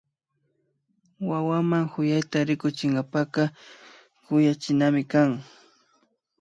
Wawaman kuyayta rikuchinkapaka kuyachinami kan